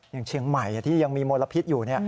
อย่างเชียงใหม่ที่ยังมีมลพิษอยู่